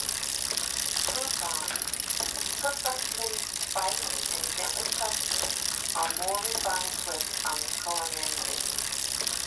Croutons, purposely spiced and gently toasted, are more refined twist on this culinary theme.